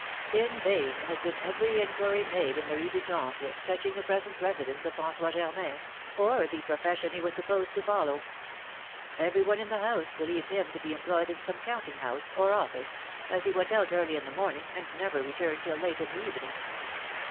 In vain has been every inquiry made in the Rue du Temple touching the present residence of François Germain, or the profession he was supposed to follow; every one in the house believed him to be employed in some counting house, or office, as he went out early in the morning and never returned till late in the evening.